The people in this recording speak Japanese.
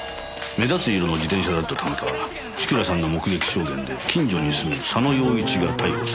目立つ色の自転車だったためか千倉さんの目撃証言で近所に住む佐野陽一が逮捕されました。